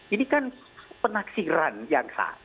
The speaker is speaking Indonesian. ini kan penaksiran yang hak